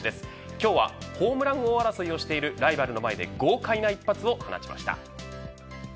今日はホームラン争いをしているライバルの前で豪快な一発を放ちました。